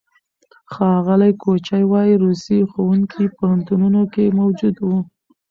ښاغلي کوچي وايي، روسي ښوونکي پوهنتونونو کې موجود وو.